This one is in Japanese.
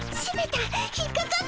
引っかかったよ。